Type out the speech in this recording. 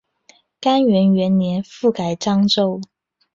干元元年复改漳州。